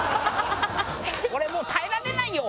「俺もう耐えられないよ！」